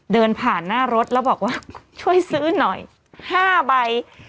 เดินผ่านหน้ารถแล้วบอกว่าช่วยซื้อหน่อย๕ใบ